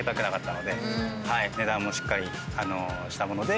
値段もしっかりしたもので。